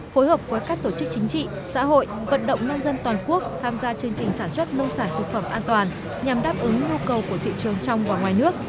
phối hợp với các tổ chức chính trị xã hội vận động nông dân toàn quốc tham gia chương trình sản xuất nông sản thực phẩm an toàn nhằm đáp ứng nhu cầu của thị trường trong và ngoài nước